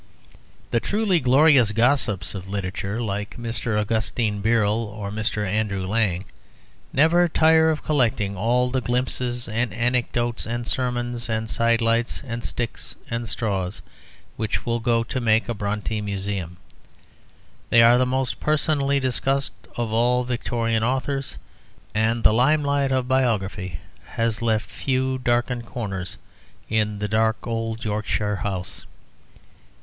The truly glorious gossips of literature, like Mr. Augustine Birrell and Mr. Andrew Lang, never tire of collecting all the glimpses and anecdotes and sermons and side lights and sticks and straws which will go to make a Brontë museum. They are the most personally discussed of all Victorian authors, and the limelight of biography has left few darkened corners in the dark old Yorkshire house.